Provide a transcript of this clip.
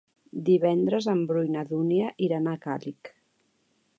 Divendres en Bru i na Dúnia iran a Càlig.